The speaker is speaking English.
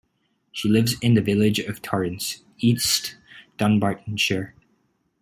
She lives in the village of Torrance, East Dunbartonshire.